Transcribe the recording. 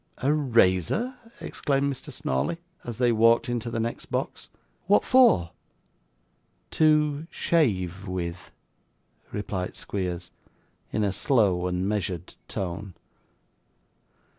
'A razor!' exclaimed Mr. Snawley, as they walked into the next box. 'What for?' 'To shave with,' replied Squeers, in a slow and measured tone.